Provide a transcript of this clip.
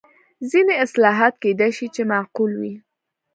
ځینې اصلاحات کېدای شي چې معقول وي.